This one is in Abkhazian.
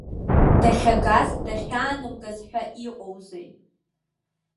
Дахьагаз, дахьаанамгаз ҳәа иҟоузеи!